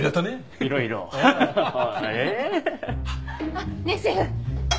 あっねえシェフ。